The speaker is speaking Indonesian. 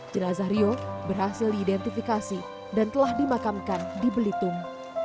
jenazah rio berhasil diidentifikasi dan telah dimakamkan di belitung